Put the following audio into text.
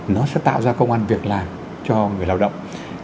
nó sẽ tạo ra công an việc làm cho người lao động